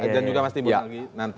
dan juga mas timbul nanti